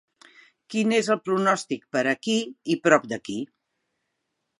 quin és el pronòstic per aquí i prop d'aquí